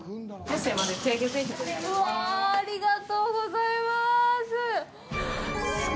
うわぁ、ありがとうございます。